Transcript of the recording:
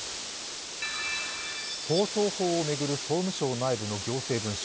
放送法律を巡る総務省内部の行政文書。